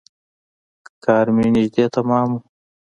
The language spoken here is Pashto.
کار مې نژدې تمام و.